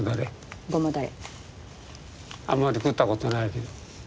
あんまり食ったことないけど。